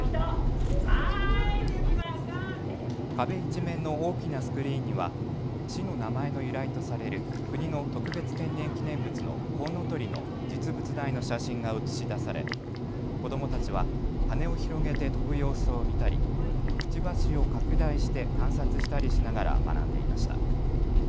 壁一面の大きなスクリーンには市の名前の由来とされる国の特別天然記念物のコウノトリの実物大の写真が映し出され子どもたちは羽を広げて飛ぶ様子を見たりくちばしを拡大して観察したりしながら学んでいました。